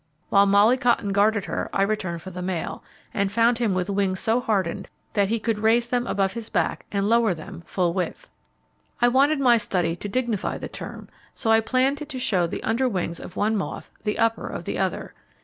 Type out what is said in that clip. While Molly Cotton guarded her I returned for the male, and found him with wings so hardened that could raise them above his back, and lower them full width. I wanted my study to dignify the term, so I planned it to show the under wings of one moth, the upper of the other.